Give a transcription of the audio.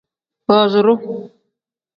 Booziru.